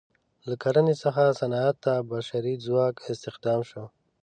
له کرنې څخه صنعت ته بشري ځواک استخدام شو.